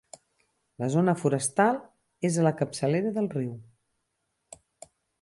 La zona forestal és a la capçalera del riu.